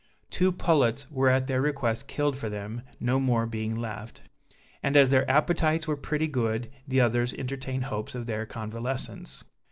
Two pullets were at their request killed for them, no more being left; and as their appetites were pretty good, the others entertained hopes of their convalescence.